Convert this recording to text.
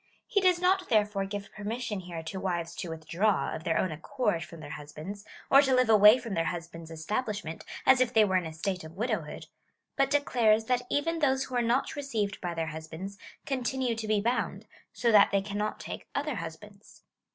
He does not therefore give permission here to wives to withdraw, of their own accord, from their husbands, or to live away from their husband's establishment, as if they were in a state of widowhood ; but declares, that even those who are not received by their husbands, continue to be bound, so that they cannot take other husbands.